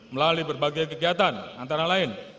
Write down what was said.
melalui berbagai kegiatan antara lain